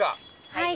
はい！